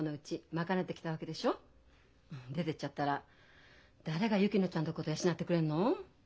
出てっちゃったら誰が薫乃ちゃんのこと養ってくれるの？